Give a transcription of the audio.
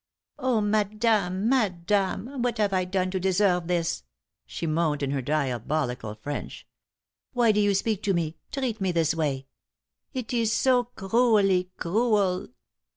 "Oh, madame! madame! What have I done to deserve this?" she moaned, in her diabolical French. "Why do you speak to me treat me this way? It is so cruelly cruel!